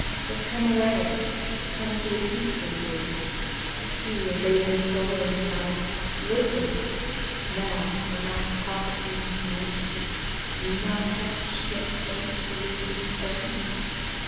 Then come away, come to the peaceful wood, Here bathe your soul in silence. Listen! Now, From out the palpitating solitude Do you not catch, yet faint, elusive strains?